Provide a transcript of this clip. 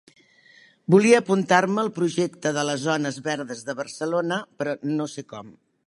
Volia apuntar-me al projecte de les zones verdes de Barcelona, però no sé com.